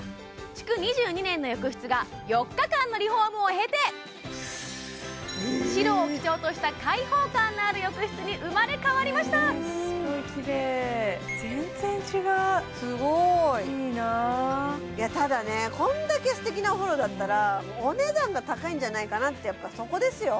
築２２年の浴室が４日間のリフォームを経て白を基調とした開放感のある浴室に生まれ変わりましたすごいきれい全然違うすごいいいなただねこんだけ素敵なお風呂だったらお値段が高いんじゃないかなってやっぱそこですよ